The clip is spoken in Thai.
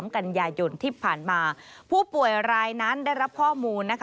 กันยายนที่ผ่านมาผู้ป่วยรายนั้นได้รับข้อมูลนะคะ